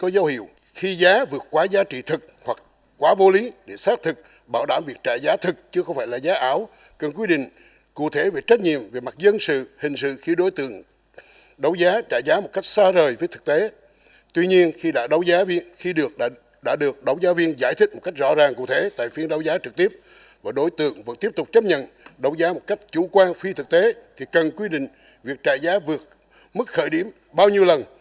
đại biểu đề nghị dự thảo luật vẫn tiếp tục chấp nhận đấu giá một cách chủ quan phi thực tế thì cần quy định việc trả giá vượt mức khởi điểm bao nhiêu lần